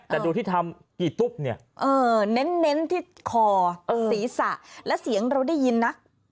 แต่ดูที่ทำนี่เออเน้นที่คอเออศีรษะแล้วเสียงเราได้ยินนะ